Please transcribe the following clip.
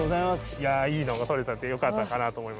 いいのが撮れたんでよかったかなと思います。